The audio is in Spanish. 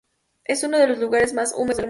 Es uno de los lugares más húmedos del mundo.